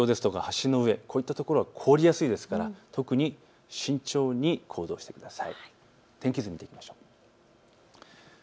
歩道橋や橋の上、こういったところは凍りやすいですから特に慎重に行動してください。